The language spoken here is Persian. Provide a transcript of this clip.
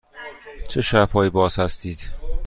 چه شب هایی باز هستید؟